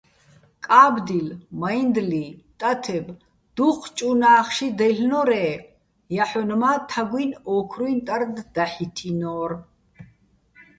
კა́ბდილ, მაჲნდლი, ტათებ - დუჴჭ უ̂ნა́ხში დაჲლ'ნორ-ე́ ჲაჰ̦ონ მა́ თაგუჲნი̆ ო́ქრუჲჼ ტარდ დაჰ̦ითინო́რ.